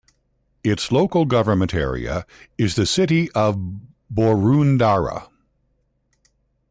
Its local government area is the City of Boroondara.